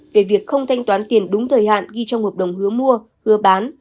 về việc không thanh toán tiền đúng thời hạn ghi trong hợp đồng hứa mua hứa bán